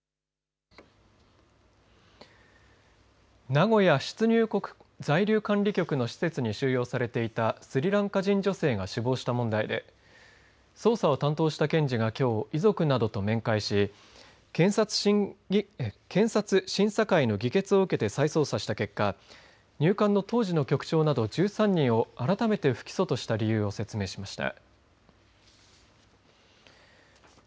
名古屋出入国在留管理局の施設に収容されていたスリランカ人女性が死亡した問題で捜査を担当した検事がきょう遺族などと面会し検察審査会の議決を受けて再捜査した結果入管の当時の局長など１３人をあらためて不起訴とした理由を説明しました。